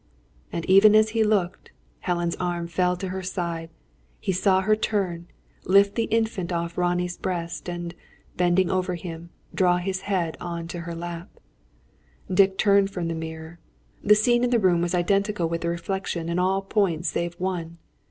And even as he looked, Helen's arm fell to her side; he saw her turn, lift the Infant off Ronnie's breast; and, bending over him, draw his head on to her lap. Dick turned from the mirror. The scene in the room was identical with the reflection, in all points save one.